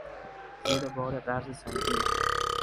زیر بار قرض سنگین